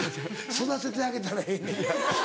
育ててあげたらええねん。